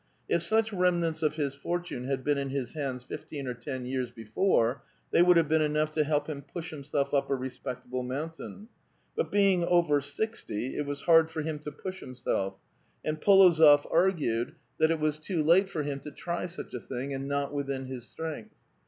If such remnants of his fortune had been in his hands fifteen or ten years before, thej' would have been enough to help him push him self up a respectable mountain. But being over sixty, it was hard for him to push himself, and F61ozof argued that 400 A VITAL QUESTION. it was too late for him to try such a thing, and not within his strength.